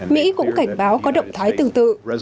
mỹ cũng cảnh báo có động thái tương tự